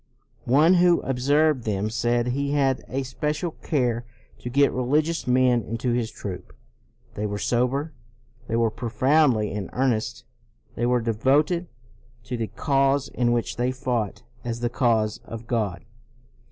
One who observed them said, " He had a special care to get religious men into his troop." They were sober; they were pro foundly in earnest; they were devoted to the cause in which they fought as the cause of God.